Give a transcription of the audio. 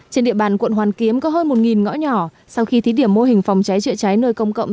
trên địa bàn quận hoàn kiếm có hơn một ngõ nhỏ sau khi thí điểm mô hình phòng cháy chữa cháy nơi công cộng